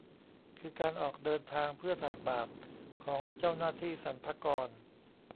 คือการออกเดินทางเพื่อไถ่บาปของเจ้าหน้าที่สรรพากร